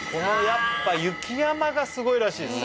やっぱ雪山がすごいらしいです